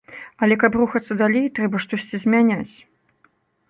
Але, каб рухацца далей, трэба штосьці змяняць.